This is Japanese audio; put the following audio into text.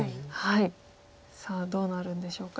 さあどうなるんでしょうか。